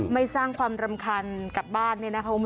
ไม่สร้างความรำคัญกับบ้าน